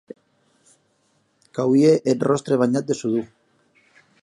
Qu'auie eth ròstre banhat de shudor.